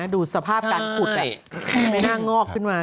ถ้าดูสภาพตังค์อุดแบบไม่น่างอกขึ้นมา